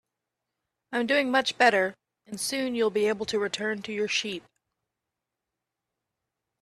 I'm doing much better, and soon you'll be able to return to your sheep.